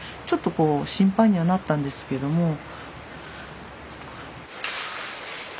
ちょっとこう心配にはなったんですけども。